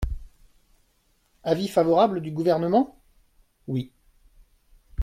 Avis favorable du Gouvernement ? Oui.